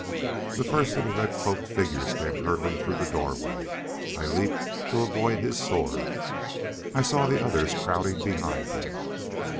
The first of the red cloaked figures came hurtling through the doorway. I leaped to avoid his sword. I saw the others crowding behind him.